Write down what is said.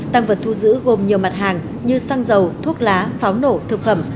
tăng vật thu giữ gồm nhiều mặt hàng như xăng dầu thuốc lá pháo nổ thực phẩm